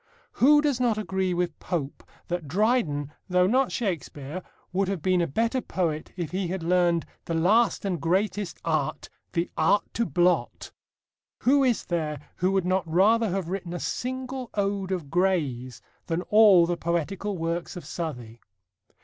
Who does not agree with Pope that Dryden, though not Shakespeare, would have been a better poet if he had learned: The last and greatest art the art to blot? Who is there who would not rather have written a single ode of Gray's than all the poetical works of Southey?